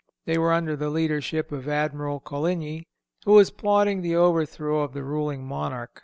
They were under the leadership of Admiral Coligny, who was plotting the overthrow of the ruling monarch.